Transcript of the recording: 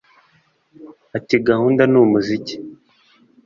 Ati “Gahunda ni umuziki